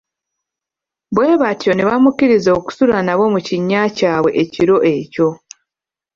Bwe batyo ne bamukkiriza okusula nabo mu kinnya kyabwe ekilo ekyo.